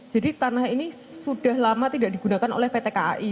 jadi tanah ini sudah lama tidak digunakan oleh pt kai